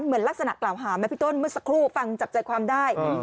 เหมือนลักษณะกล่าวหาไหมพี่ต้นเมื่อสักครู่ฟังจับใจความได้